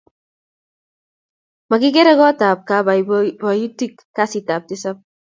Makikere kot ab kabuatutik kasit ab tisap